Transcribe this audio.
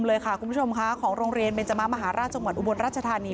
โรงเรียนเบนจมะม์มหาราชจอราชธานี